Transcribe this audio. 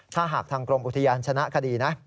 ถ้าหากทางกรมอุทยานชนะคดีนะ